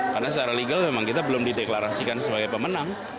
karena secara legal memang kita belum dideklarasikan sebagai pemenang